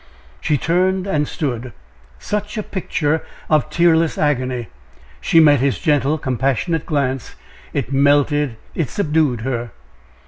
She turned and stood such a picture of tearless agony! She met his gentle, compassionate glance it melted it subdued her.